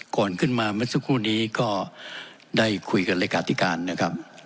ก่อนขึ้นมาเมื่อสักครู่นี้ก็ได้คุยกันเลขาธิการนะครับ